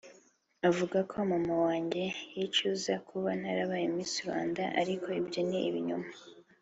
Avuga ko mama wanjye yicuza kuba narabaye Miss Rwanda ariko ibyo ni ibinyoma